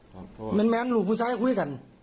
แหม็นแมครู้พูดซ้ายตกลูก่อน